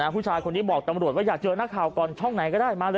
ผู้ชายคนนี้บอกตำรวจว่าอยากเจอนักข่าวก่อนช่องไหนก็ได้มาเลย